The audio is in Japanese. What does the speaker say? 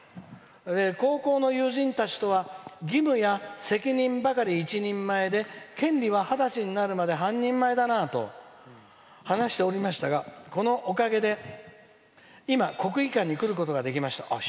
「高校の友人たちとは義務や責任ばかり一人前で権利は二十歳になるまで半人前だなと話しておりましたがこのおかげで今、国技館に来ることができました」。